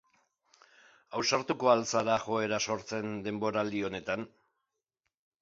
Ausartuko al zara joera sortzen denboraldi honetan?